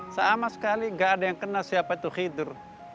sama sekali gak ada yang kenal siapa itu khidir